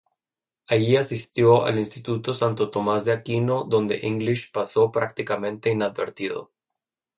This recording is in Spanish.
Allí asistió al Instituto Santo Tomás de Aquino, donde English pasó prácticamente inadvertido.